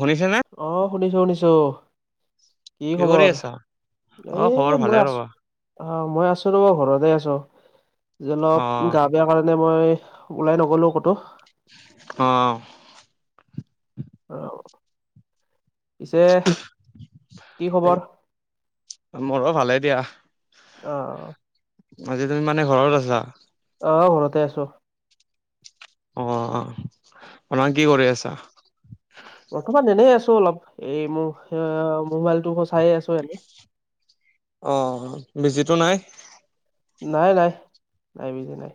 শুনিছেনে? অ' শুনিছোঁ শুনিছোঁ। কি কৰি খবৰ? আছা অ খবৰ এ, ভালে মই ৰবা আছোঁ। অ' মই আছোঁ ৰব ঘৰতে আছোঁ। আজি অ অলপ গা বেয়া কাৰণে মই ওলাই নগলো ক'তো। অ'। অ'। পিছে কি খবৰ? মোৰো ভালে দিয়া অ', অ'। আজি তুমি মানে ঘৰত আছা? অ' ঘৰতে আছোঁ। অ' মানে কি কৰি আছা? বৰ্তমান এনেই আছোঁ অলপ, এই ম-মোবাইলটো চাই আছোঁ এনে। অ' বিজিটো নাই? নাই নাই, নাই বিজি নাই।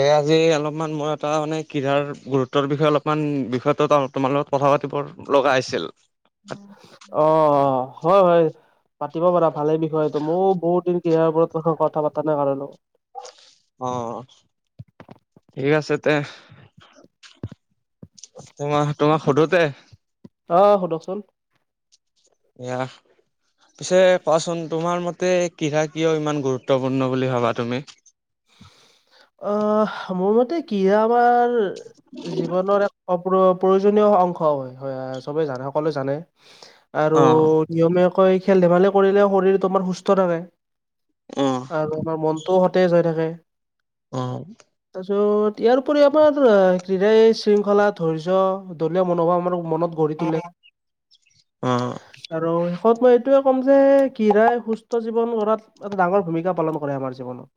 এই আজি অলপমান মই এটা মানে ক্ৰীড়াৰ গুৰুত্বৰ বিষয়ে অলপমান বিষয়টো তোমাৰ লগত কথা পাতিবৰ লগাইছিল। অ', অ' হয় হয়। পাতিব পাৰা, ভালে বিষয় এইটো, মোৰ বহুত দিন ক্ৰিৰাৰ ওপৰত কথা পাতা নাই কাৰো লগত। অ' ঠিকে আছে তে তোমাক তোমাক সোধো তে? অ' সোধকচোন। এয়া পিছে কোৱাচোন তোমাৰ মতে ক্ৰীড়া কিয় ইমান গুৰুত্বপূৰ্ণ বুলি ভাবা তুমি? অ' মোৰ মতে কি, আমাৰ জীৱনৰ এক প্ৰয়োজনীয় অংশ হয়, হয় চবেই জানে সকলোৱে জানে আৰু অ নিয়মীয়াকৈ খেল ধেমালি কৰিলেও শৰীৰটো আমাৰ সুস্থ থাকে অ আৰু আমাৰ মন টো সতেয হৈ থাকে। অ'। তাৰপিছত ইয়াৰ উপৰি আমাৰ ক্ৰীড়াই শৃংখলা ধৈৰ্য, দলিয়া মনোভাৱ আমাৰ মনত গঢ়ি তোলে। অ'। আৰু শেষত মই এইটোয়ে ক'ম যে ক্ৰীৰাই সুস্থ জীৱন গঢ়াত এটা ডাঙৰ ভূমিকা পালন কৰে আমাৰ জীৱনত।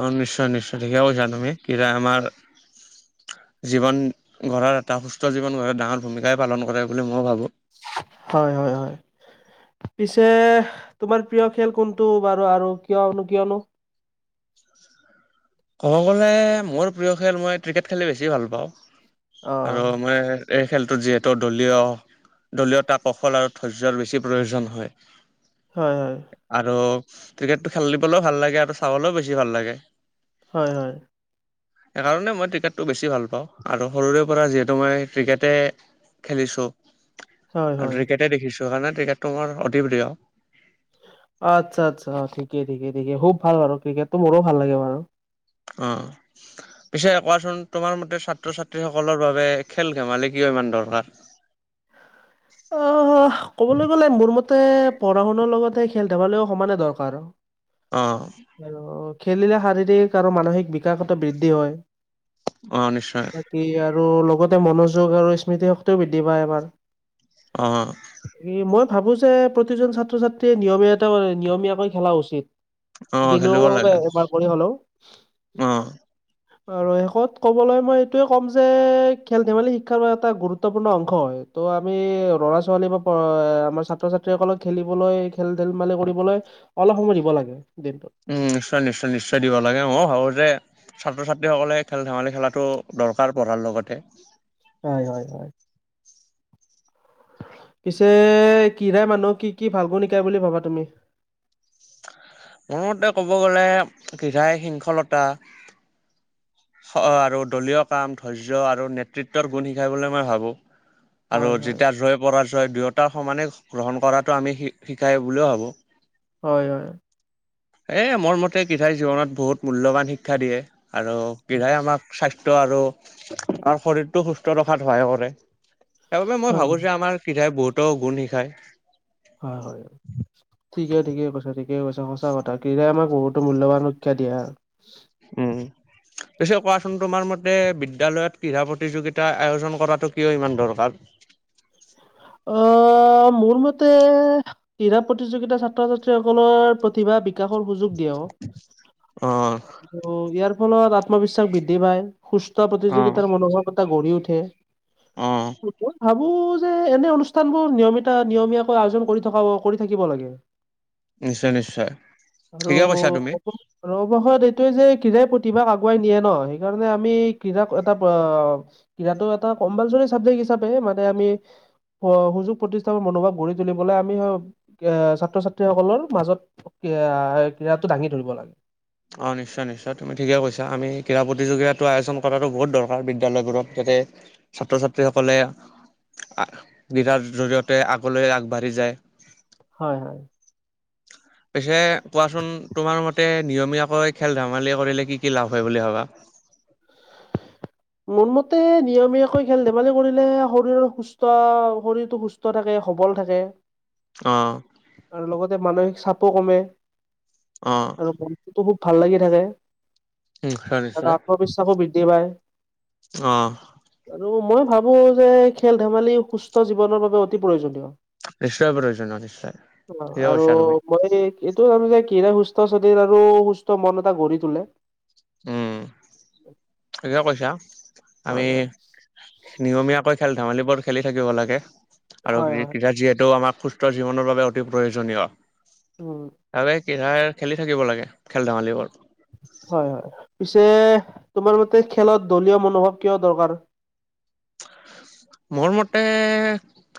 অ' নিশ্চয় নিশ্চয় ঠিকে কৈছা তুমি, ক্ৰিৰা আমাৰ জীৱন গঢ়াৰ, এটা সুস্থ জীৱন গঢ়াৰ ডাঙৰ ভূমিকাই পালন কৰে বুলি ময়ো ভাবোঁ। হয়, হয়, হয়। পিছে, তোমাৰ প্ৰিয় খেল কোনটো বাৰু, আৰু কিয়নো কিয়নো? ক'ব গ'লে, মোৰ প্ৰিয় খেল মই ক্ৰিকেট খেলি বেছি ভাল পাওঁ, আৰু অ মনে এই খেলটো যিহেতু, দলীয় দলীয়তা কৌশল আৰু ধৈৰ্যৰ বেছি প্ৰয়োজন হয়। হয়, হয়। আৰু ক্ৰিকেটটো খেলিবলৈও ভাল লাগে, আৰু চাবলৈও বেছি ভাল লাগে। হয়, হয়। সেইকাৰণে মই ক্ৰিকেটটো বেছি ভাল পাওঁ, আৰু সৰুৰে পৰা যিহেতু মই, ক্ৰিকেটে খেলিছোঁ হয় আৰু, হয় হয় ক্ৰিকেটেই দেখিছোঁ, সেইকাৰণে ক্ৰিকেটটো মোৰ অতি প্ৰিয়। আচ্ছা আচ্ছা, অ', ঠিকে ঠিকে ঠিকে, খুব ভাল বাৰু ক্ৰিকেটটো, মোৰো ভাল লাগে বাৰু। অঁ'। পিছে কোৱাচোন তোমাৰ মতে ছাত্ৰ-ছাত্ৰী সকলৰ বাবে খেল ধেমালি কিয় ইমান দৰকাৰ? অ', ক'বলৈ গ'লে মোৰ মতে, পঢ়া - শুনাৰ লগতে খেল - ধেমালিও সমানে দৰকাৰ। অ'। আৰু খেলিলে শাৰীৰিক আৰু মানসিক বিকাশতা বৃদ্ধি হয়। অঁ, নিশ্চয়। কি আৰু লগতে মনোযোগ, আৰু স্মৃতি শক্তিও বৃদ্ধি পায় আমাৰ। অঁ'। এ' মই ভাবোঁ যে প্ৰতিজন ছাত্ৰ - ছাত্ৰীয়ে নিয়মীয়া, এটা নিয়মীয়াকৈ খেলা উচিত। অ', দিলোঁ খেলিব লাগে অ'। এবাৰ কৰি হলেও উম, আৰু শেষত ক'বলৈ মই এইটোৱে ক'ম যে, খেল- ধেমালি শিক্ষাৰ এটা, গুৰুত্বপূৰ্ণ অংশ হয়। আমি, ল'ৰা - ছোৱালী বা আমাৰ ছাত্ৰ - ছাত্ৰীসকলক, খেলিবলৈ খেল- ধেলমালি কৰিবলৈ অলপ সময় দিব লাগে, দিনটোত। উম, নিশ্চয়, নিশ্চয়, নিশ্চয় দিব লাগে, মই ভাবোঁ যে ছাত্ৰ - ছাত্ৰীসকলে খেল - ধেমালি খেলাটো দৰকাৰ, পঢ়াৰ লগতে। হয়, হয়, হয়। পিছে, ক্ৰীয়াই মানুহ কি কি ভাল গুণ শিকায় বুলি ভাবা তুমি? মোৰ মতে ক'ব গ'লে, ক্ৰীয়াই শৃংখলতা আৰু দলীয় কাম, ধৈৰ্য আৰু নেতৃত্বৰ গুণ শিকায় বুলি মই ভাবোঁ। আৰু হয় হয় যেতিয়া জয়, পৰাজয় দুয়োটাৰ সমানে গ্ৰহণ কৰাটো আমি শিকায় বুলিও ভাবোঁ। হয়, হয়, হয়। এ' মোৰ মতে ক্ৰিয়াই জীৱনত বহুত মূল্যৱান শিক্ষা দিয়ে। আৰু [unintelligible] আমাক স্বাস্থ্য আৰু আৰু শৰীৰটো সুস্থ ৰখাত সহায় কৰে। সেইবাবে মই ভাবোঁ হয় যে, আমাৰ ক্ৰীয়াই বহুতো গুণ শিকায়। হয় হয় হয়। ঠিকেই, ঠিকে কৈছাঁ, ঠিকে কৈছাঁ, সঁচা কথা [unintelligible] আমাক বহুটো মূল্যায়ণ সুখ্যা দিয়ে আৰু উম। [unintelligible] কোৱাচোন তোমাৰ মতে বিদ্য়ালয়ত ক্ৰীড়া প্ৰতিযোগিতা আয়োজন কৰাটো কিয় ইমান দৰকাৰ? অ', মোৰ মতে ক্ৰীড়া, প্ৰতিযোগিতা, ছাত্ৰ ছাত্ৰীসকলৰ প্ৰতিভা বিকাশৰ সুযোগ দিয়ে, অ' অ ইয়াৰ ফলত আত্মবিশ্বাস বৃদ্ধি পায় সুস্থ অ প্ৰতিযোগিতাৰ মনোভাৱ এটা গঢ়ি উঠে, অ মই ভাবোঁ যে এনে, অনুষ্ঠান বোৰ নিয়মিতা নিয়মীয়াকৈ আয়োজন কৰি থকা, কৰি থাকিব লাগে। নিশ্চয় নিশ্চয়, ঠিকে কৈছাঁ তুমি। ৰৱশত [unintelligible] এইটোৱে যে ক্ৰীড়াই প্ৰতিভাক আগুৱাই নিয়ে ন', সেইকাৰণে আমি ক্ৰীড়াক এটা ক্ৰীড়াটো এটা কম্পালচৰি চাবজেক্ট হিচাপে মানে আমি সুযোগ প্ৰতিষ্ঠানৰ মনোভাৱ, গঢ়ি তুলিবলৈ আমি এ ছাত্ৰ-ছাত্ৰীসকলৰ মাজত ক্ৰীড়াটো দাঙি ধৰিব লাগে। অঁ, নিশ্চয় নিশ্চয়, তুমি ঠিকেই কৈছাঁ, আমি ক্ৰীড়া প্ৰতিযোগিতাটো আয়োজন কৰা বহুত দৰকাৰ বিদ্যালয়বোৰত, যাতে, ছাত্ৰ-ছাত্ৰী সকলে [unintelligible] ৰ জৰিয়তে আগলৈ আগবাঢ়ি যায়। হয়, হয়। পিছে কোৱাচোন তোমাৰ মতে, নিয়মীয়াকৈ খেল ধেমালি কৰিলে কি কি লাভ হয় বুলি ভাবা? মোৰ মতে নিয়মীয়াকৈ খেল ধেমালি কৰিলে শৰীৰৰ সুস্থ, শৰীৰটো সুস্থ সুস্থ থাকে, সবল থাকে। অ'। আৰু লগতে মানসিক চাপো কমে, অ', আৰু মনটোতো খুব ভাল লাগি থাকে। নিশ্চয়, আৰু নিশ্চয়, আত্মবিশ্বাসো বৃদ্ধি পায় অ'। আৰু মই ভাবো যে, খেল ধেমালি সুস্থ জীৱনৰ বাবে অতি প্ৰয়োজনীয়। নিশ্চয় প্ৰয়োজনীয় নিশ্চয় অ', ঠিকে আৰু কৈছা তুমি। মই এইটো জানো যে [unintelligible] সুস্থ শৰীৰ, আৰু সুস্থ মন এটা গঢ়ি তোলে। উম, ঠিকে কৈছা আমি হয় হয় নিয়মীয়াকৈ খেল ধেমালিবোৰ খেলি থাকিব লাগে, আৰু হয় হয় [unintelligible] যিহেতু আমাক সু জীৱনৰ বাবে অতি প্ৰয়োজনীয়। উম। [unintelligible] খেলি থাকিব লাগে, খেল ধেমালিবোৰ। হয়, হয়, পিছে তোমাৰ মতে খেলত দলীয় মনোভাৱ কিয় দৰকাৰ? মোৰ মতে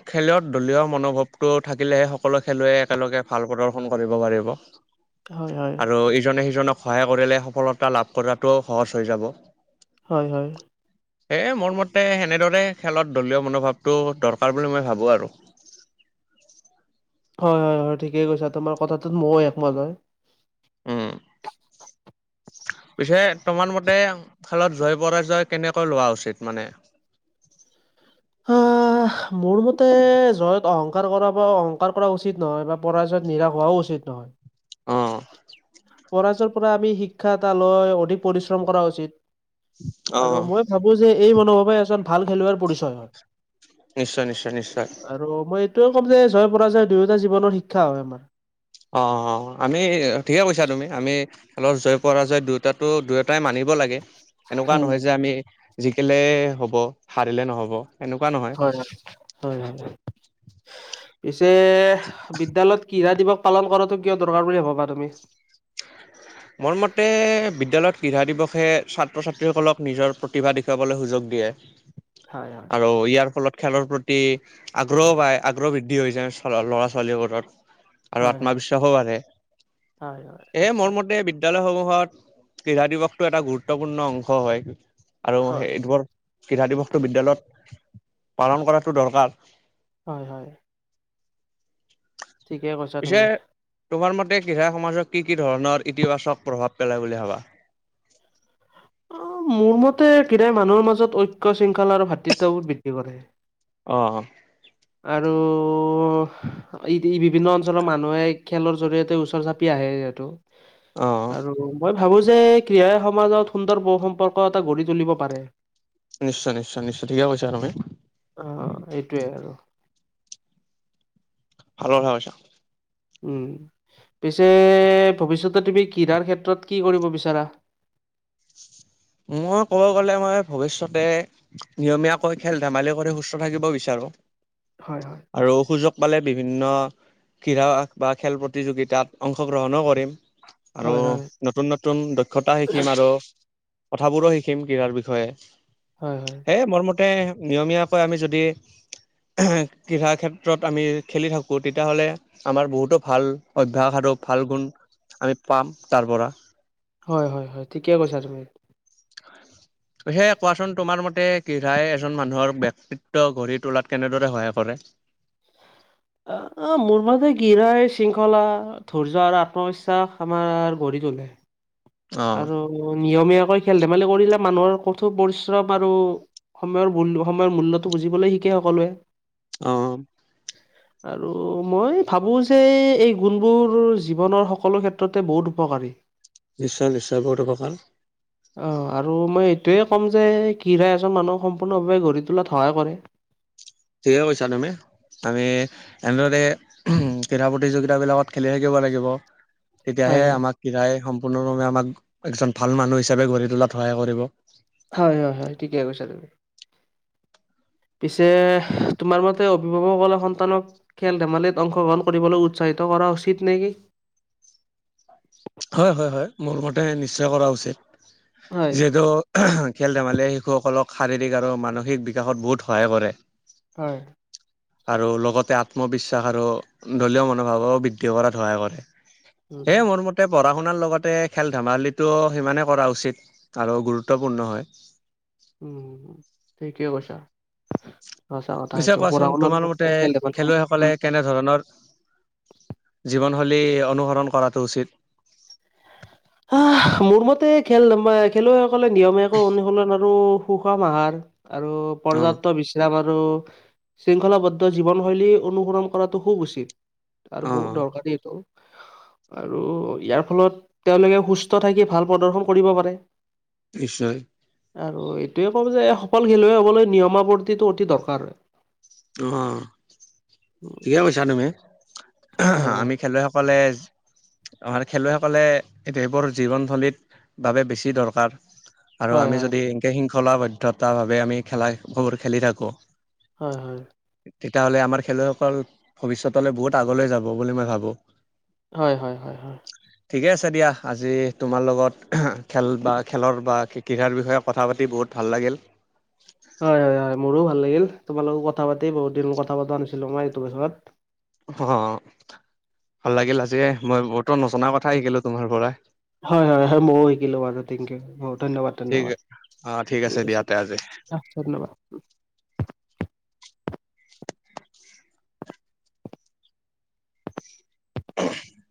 খেলত দলীয় মনোভাৱটো থাকিলেহে, সকলো খেলুৱৈয়ে একেলগে ভাল প্ৰদৰ্শন কৰিব পাৰিব। হয় হয় [inaudible] আৰু ইজনে সিজনক সহায় কৰিলে, সফলতা লাভ কৰাটো সহজ হৈ যাব। হয়, হয়। এ মোৰ মতে, সেনেদৰে খেলত দলীয় মনোভাৱটো দৰকাৰ বুলি মই ভাবো আৰু। হয়, হয়, হয়, ঠিকেই কৈছা। তোমাৰ কথাটোত ময়ও একমত হয়। উম। পিছে তোমাৰ মতে, খেলত জয় পৰাজয় কেনেকৈ লোৱা উচিত মানে? [inaudible] আহ, মোৰ মতে, জয়ত অহংকাৰ কৰা বা অহংকাৰ কৰা উচিত নহয় বা পৰাজয়ত নিৰাশ হোৱাও উচিত উচিত নহয়। অ'। পৰাজয় পৰা আমি শিক্ষা এটা লৈ অধিক পৰিশ্ৰম কৰা উচিত, আৰু অ', মই ভাবো যে, এই মনোভাৱে এজন ভাল খেলুৱৈৰ পৰিচয় হয়। নিশ্চয়, নিশ্চয়, নিশ্চয়। আৰু মই এইটোয়ে ক'ম যে, জয় পৰাজয় দুয়োটা জীৱনৰ শিক্ষা হয় আমাৰ। অ', অ', আমি ঠিকে কৈছা তুমি, আমি খেলৰ জয়, পৰাজয় দুয়োটা দুয়োটাই মানিব লাগে, এনেকুৱা হয়। নহয় যে আমি জিকিলে হ'ব, হাৰিলে নহ'ব। এনেকুৱা নহয়। হয়, হয়। হয়, হয়। পিছে বিদ্যালয়ত কিড়া দিবস পালন কৰাটো কিয় দৰকাৰ বুলি ভাবা তুমি? [inaudible] মোৰ মতে বিদ্যালয়ত কিড়া দিৱসে, ছাত্ৰ ছাত্ৰীসকলক নিজৰ প্ৰতিভা দেখুৱালৈ সুযোগ দিয়ে। হয়, হয়, আৰু ইয়াৰ ফলত খেলৰ প্ৰতি আগ্ৰহ পায়, আগ্ৰহ বৃদ্ধ দি হৈ যায়, ল'ৰা-ছোৱালীবোৰ আৰু হয়, হয়, আত্মবিশ্বাসো বাঢ়ে, হয়, হয়, এ মোৰ নিশ্চয় মতে বিদ্যালয়সমূহত ক্ৰীড়া দিৱসটো এটা গুৰুত্বপূৰ্ণ অংশ হয়। আৰু সেই, হয়, এইবোৰ ক্ৰীড়া দিৱসটো বিদ্যালয়ত পালন কৰাটো দৰকাৰ। হয়, হয়। ঠিকে কৈছা পিছে তুমি। তোমাৰ মতে, [unintelligible] সমাজক কি কি ধৰণৰ ইতিবাচক প্ৰভাৱ পেলাই বুলি ভাবা? অ', মোৰ মতে [unintelligible] মানুহৰ মাজত ঐক্য শৃংখলা, আৰু ভাতৃত্ববোধ বৃদ্ধি কৰে। অ'। আৰু ই, বিভিন্ন অঞ্চলৰ মানুহে খেলৰ জৰিয়তে ওচৰ চাপি আহে যিহেতু। অ আৰু মই ভাবোঁ যে ক্ৰীড়াই সমাজত সুন্দৰ বহু সম্পৰ্ক এটা গঢ়ি তুলিব পাৰে। নিশ্চয় নিশ্চয় নিশ্চয়, ঠিকে কৈছা তুমি। অ' এইটোৱে আৰু। ভালে ভাবিছা। উম, পিছে ভৱিষ্যতে তুমি ক্ৰিড়াৰ ক্ষেত্ৰত কি কৰিব বিচাৰা? মই ক'ব গলে মই ভৱিষ্যতে নিয়মীয়াকৈ খেল ধেমালি কৰি সুস্থ থাকিব বিচাৰোঁ। হয় হয়। আৰু সুযোগ পালে বিভিন্ন ক্ৰীড়া বা খেল প্ৰতিযোগিতাত অংশ গ্ৰহণো কৰিম। আৰু হয়, হয়, নতুন নতুন দক্ষতা শিকিম আৰু। কথাবোৰো শিকিম ক্ৰীড়াৰ বিষয়ে। হয় হয়। এই মোৰ মতে নিয়মীয়াকৈ আমি যদি ক্ৰীড়াৰ ক্ষেত্ৰত আমি খেলি থাকোঁ তেতিয়াহ'লে আমাৰ বহুতো ভাল অভ্যাস আৰু ভাল গুণ আমি পাম তাৰপৰা। হয় হয় হয়, ঠিকেই কৈছা তুমি। সেয়ে কোৱাচোন তোমাৰ মতে ক্ৰীৰাই এজন মানুহৰ বক্তিত্ব গঢ়ি তোলাত কেনেদৰে সহায় কৰে। আ, মোৰ মতে কি এ, গৰাই শৃংখলা ধৈৰ্য আৰু আত্মবিশ্বাস আমাৰ গঢ়ি তোলে। অ আৰু নিয়মীয়াকৈ খেল ধেমালি কৰিলে মানুহৰ কঠোৰ পৰিশ্ৰম আৰু সময়ৰ মূল্য সময়ৰ মূল্যটো বুজিবলৈ শিকে সকলোৱে। অ'। আৰু মই ভাবোঁ যে এই গুণবোৰ জীৱনৰ সকলো ক্ষেত্ৰতে বহুত উপকাৰী। নিশ্চয় নিশ্চয়, বহুতো শাসন। অ' আৰু মই এইটোৱে ক'ম যে ক্ৰীড়া এজন মানুহক সম্পূৰ্ণভাৱে গঢ়ি তোলাত সহায় কৰে। ঠিকে কৈছা তুমি। আমি এনেদৰে ক্ৰীড়াই প্ৰতিযোগিতাবিলাকত খেলি থাকিব লাগিব। তেতিয়াহে হয়, হয়, আমাক ক্ৰীড়াই সম্পূৰ্ণৰূপে আমাক এজন ভাল মানুহ হিচাপে গঢ়ি তোলাত সহায় কৰিব। হয় হয় হয়, ঠিকেই কৈছা তুমি। পিছে তোমাৰ মতে অভিভাৱকসলে সন্তানক খেল ধেমালিত অংশগ্ৰহণ কৰিবলৈ উৎসাহিত কৰা উচিত নে কি? হয় হয় হয় মোৰ মতে নিশ্চয় কৰা উচিত, হয়, যিহেতু খেল ধেমালিয়ে শিশুসকলক শাৰীৰিক আৰু মানসিক বিকাশত বহুত সহায় কৰে। হয়। আৰু লগতে আত্মবিশ্বাস আৰু দলীয় মনোভাবো বৃদ্ধি কৰাত সহায় কৰে, উম, সেয়ে মোৰ মতে তে পঢ়া শুনাৰ লগতে খেল ধেমালিটো সিমানে কৰা উচিত আৰু গুৰুত্বপূৰ্ণ হয়। উম, ঠিকে কৈছা। সঁচা কথা পিছে সেইটো, পঢ়া কোৱাচোন শুনা তোমাৰ লগ মতে খেল ধেমালিত খেলুৱৈসকলে কেনেধৰণৰ জীৱনশৈলী অনুসৰণ কৰাটো উচিত? আহ, মোৰ মতে খেল খেলুৱৈসকলে নিয়মীয়াকৈ অনুশীলন আৰু সুষম আহাৰ আৰু অ পৰ্যাপ্ত বিশ্ৰাম আৰু শৃংখলাবদ্ধ জীৱনশৈলী অনুসৰণ কৰাটো খুব উচিত। আৰু অ বহুত দৰকাৰী এইটো আৰু ইয়াৰ ফলত তেওঁলোকে সুস্থ থাকি ভাল প্ৰদৰ্শন কৰিব পাৰে। নিশ্চয়। আৰু এইটোৱে ক'ওঁ যে এই সফল খেলুৱৈ হ'বলৈ নিয়মাৱৰ্তিটো অতি দৰকাৰ। অঁ। ঠিকে কৈছা তুমি। হয় হয়। আমি খেলুৱৈসকলে আমাৰ খেলুৱৈসকলে এইটো এইবোৰ জীৱন থৈলীত বাবে বেছি দৰকাৰ। আৰু হয় আমি হয় যদি এনকে শৃংখলাবদ্ধতা ভাৱে আমি খেলা বহুত খেলি থাকো হয়, হয়। তেতিয়াহ'লে আমাৰ খেলুৱৈসকল ভৱিষ্যতলৈ বহুত আগলৈ যাব বুলি মই ভাবো। হয়, হয়, হয়, হয়। ঠিকে আছে দিয়া আজি তোমাৰ লগত খেল বা খেলৰ বা ক্ৰীঢ়াৰ বিষয়ে কথা পাতি বহুত ভাল লাগিল। হয়, হয়, হয় মোৰো ভাল লাগিল তোমাৰ লগত কথা পাতি, বহুত দিন কথা পতা নাছিলো মই এইটো বিষয়ত। অ' ভাল লাগিল আজিয়ে মই বহুতো নজনা কথা শিকিলো তোমাৰ পৰা। হয়, হয়, হয় ময়ো শিকিলোঁ বাৰু থেংক ইউ বু ধন্যবাদ ঠিক ধন্যবাদ অ ঠিক দিয়া আছে। তে আজি আঁ ধন্যবাদ। [inaudible]